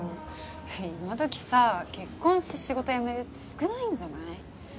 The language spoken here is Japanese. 今時さ結婚して仕事辞めるって少ないんじゃない？